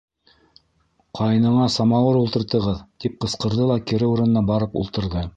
Ҡайныңа самауыр ултыртығыҙ! — тип ҡысҡырҙы ла кире урынына барып ултырҙы.